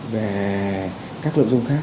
về các lợi dụng khác